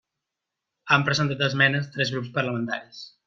Han presentat esmenes tres grups parlamentaris.